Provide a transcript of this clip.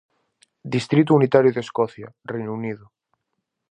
Distrito unitario de Escocia, Reino Unido.